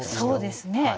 そうですね。